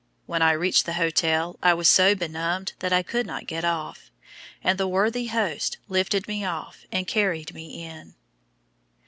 When I reached the hotel I was so benumbed that I could not get off, and the worthy host lifted me off and carried me in.